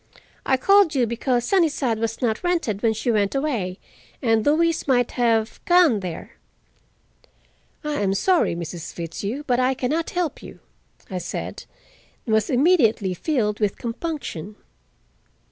I called you because Sunnyside was not rented when she went away, and Louise might have, gone there." "I am sorry, Mrs. Fitzhugh, but I can not help you," I said, and was immediately filled with compunction.